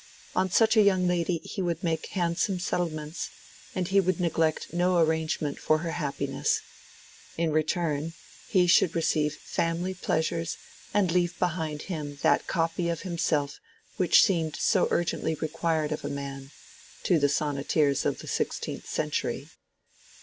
On such a young lady he would make handsome settlements, and he would neglect no arrangement for her happiness: in return, he should receive family pleasures and leave behind him that copy of himself which seemed so urgently required of a man—to the sonneteers of the sixteenth century.